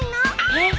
えっ！？